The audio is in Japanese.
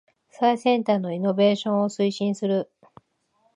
最先端のイノベーションを推進する